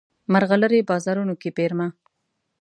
مرغلرې بازارونو کې پیرمه